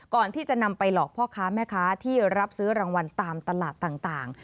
ก่อนที่จะนำไปหลอกพ่อค้าแม่ค้าที่รับซื้อรางวัลตามตลาดต่าง